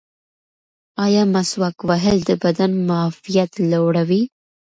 ایا مسواک وهل د بدن معافیت لوړوي؟